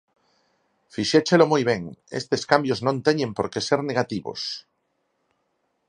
Fixéchelo moi ben, estes cambios non teñen por que ser negativos